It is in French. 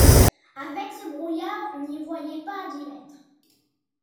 Avec ce brouillard, on n'y voit pas à dix mètres.